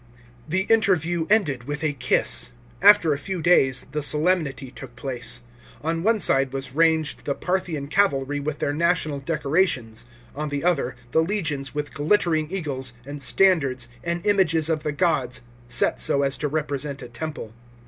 The interview ended with a kiss. After a few days, the solemnity took place. On one side was ranged the Parthian cavalry with their national decora 66 A.D. TIRIDATES CROWNED BY NERO. 321 tions ; on the other, the legions with glittering eagles, and standards, and images of the gods, set so as to represent a temple.